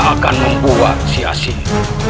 akan membuat si asing